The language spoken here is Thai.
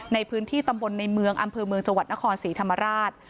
ในพื้นที่ตำบลในเมืองอำเภอเมืองจังหวัดนครศรีธรรมราช